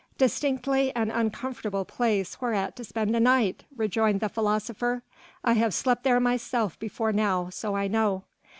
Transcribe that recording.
"Distinctly an uncomfortable place whereat to spend a night," rejoined the philosopher, "I have slept there myself before now, so I know."